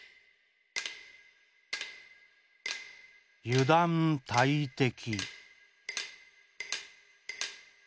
油断大敵。